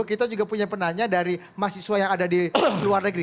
kita juga punya penanya dari mahasiswa yang ada di luar negeri